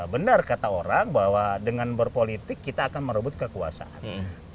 benar kata orang bahwa dengan berpolitik kita akan merebut kekuasaan